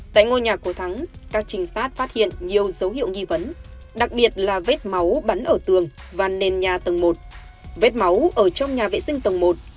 tại ngôi nhà của thắng các trinh sát phát hiện nhiều dấu hiệu nghi vấn đặc biệt là vết máu bắn ở tường và nền nhà tầng một vết máu ở trong nhà vệ sinh tầng một